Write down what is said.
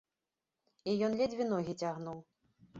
І ён ледзьве ногі цягнуў.